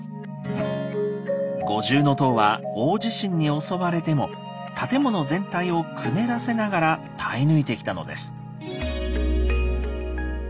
五重塔は大地震に襲われても建物全体をくねらせながら耐え抜いてきたのです。